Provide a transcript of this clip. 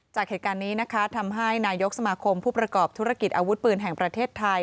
จากเหตุการณ์นี้นะคะทำให้นายกสมาคมผู้ประกอบธุรกิจอาวุธปืนแห่งประเทศไทย